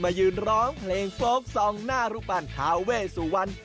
ยืนร้องเพลงโฟลกซองหน้ารูปันทาเวสุวรรณ